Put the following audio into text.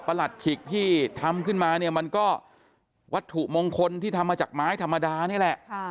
หลัดขิกที่ทำขึ้นมาเนี่ยมันก็วัตถุมงคลที่ทำมาจากไม้ธรรมดานี่แหละ